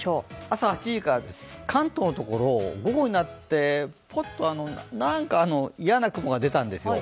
朝８時から、関東のところ、午後になって、ぽっと、なんか嫌な雲が出たんですよ